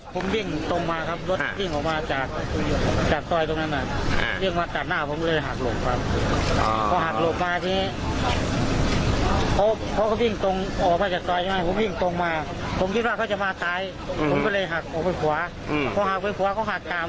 ผมบอกเลยหักออกไปขวาอืมพอหาไปขวาเขาหักตาม